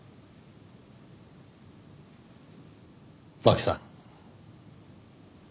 真紀さん。